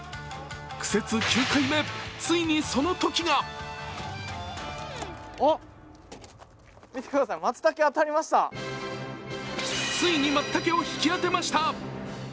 苦節９回目、ついにその時がついに、まつたけを引き当てました